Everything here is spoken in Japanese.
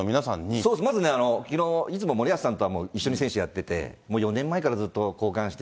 そうです、まずね、森保さんとは一緒に選手やってて、もう４年前からずっと交換してて、